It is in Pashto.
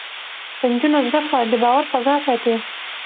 د نجونو زده کړه د باور فضا ساتي.